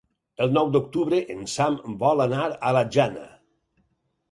El nou d'octubre en Sam vol anar a la Jana.